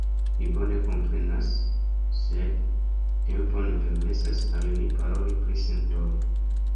Ni bone komprenas, sed tempo ne permesas al ni paroli pri sentoj.